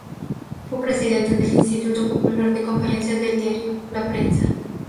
Fue presidente del Instituto Popular de Conferencias del diario "La Prensa".